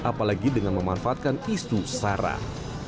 apalagi dengan memanfaatkan isu sarah